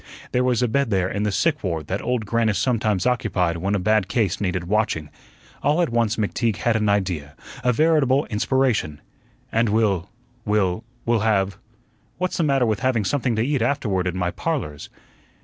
There was a bed there in the sick ward that old Grannis sometimes occupied when a bad case needed watching. All at once McTeague had an idea, a veritable inspiration. "And we'll we'll we'll have what's the matter with having something to eat afterward in my 'Parlors'?"